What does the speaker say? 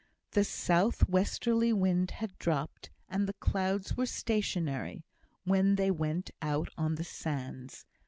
The south westerly wind had dropped, and the clouds were stationary, when they went out on the sands.